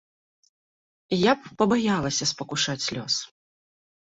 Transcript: Я б пабаялася спакушаць лёс.